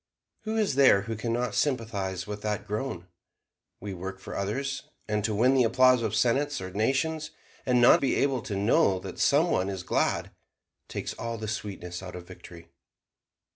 Who is there who can not sympathize with that groan? We work for others; and to win the applause of senates or nations, and not be able to know that Some One is glad, takes all the sweetness out of victory.